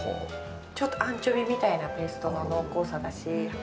ちょっとアンチョビみたいなペーストの濃厚さだし。